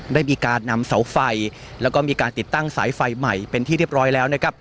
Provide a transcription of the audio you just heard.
ได้มีการนำเสาไฟแล้วก็มีการติดตั้งสายไฟใหม่เป็นที่เรียบร้อยแล้วนะครับ